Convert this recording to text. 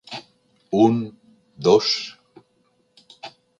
Un, dos...